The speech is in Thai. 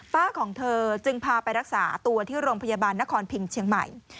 ของเธอจึงพาไปรักษาตัวที่โรงพยาบาลนครพิงเชียงใหม่